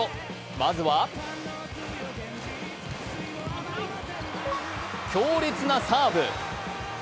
まずは、強烈なサーブ。